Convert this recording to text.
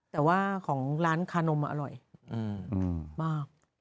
แต่ว่าของร้านคานมอร่อยมาก